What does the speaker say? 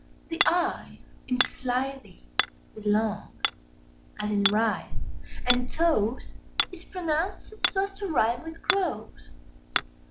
The "i" in "slithy" is long, as in "writhe"; and "toves" is pronounced so as to rhyme with "groves."